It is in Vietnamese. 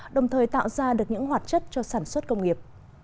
đồng thời tạo ra được những hoạt chất cho sản xuất công nghiệp